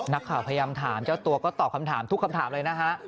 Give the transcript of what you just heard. นักข่าวพยายามถามเจ้าตัวก็ตอบคำถามทุกคำถามเลยนะฮะ